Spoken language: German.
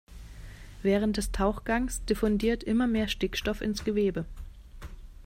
Während des Tauchgangs diffundiert immer mehr Stickstoff ins Gewebe.